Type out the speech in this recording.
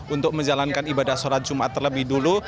untuk menjalankan ibadah sholat jumat terlebih dulu